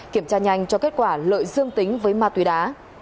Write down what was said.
kiểm tra nhanh cho kết quả lợi dương tính với ma túy đá